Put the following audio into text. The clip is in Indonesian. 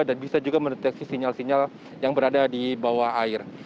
dan bisa juga mendeteksi sinyal sinyal yang berada di bawah air